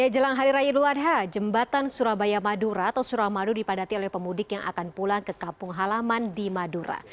jelang hari raya idul adha jembatan surabaya madura atau suramadu dipadati oleh pemudik yang akan pulang ke kampung halaman di madura